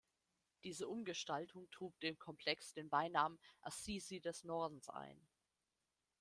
Diese Umgestaltung trug dem Komplex den Beinamen „Assisi des Nordens“ ein.